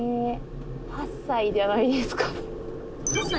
８歳じゃないですかね。